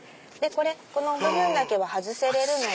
この部分だけは外せるので。